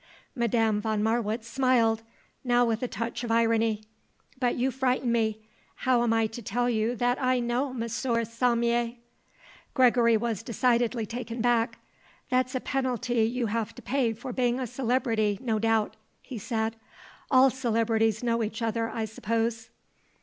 Madame von Marwitz smiled, now with a touch of irony. "But you frighten me. How am I to tell you that I know M. Saumier?" Gregory was decidedly taken back. "That's a penalty you have to pay for being a celebrity, no doubt," he said. "All celebrities know each other, I suppose."